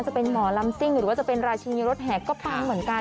จะเป็นหมอลำซิ่งหรือว่าจะเป็นราชินีรถแห่ก็ปังเหมือนกัน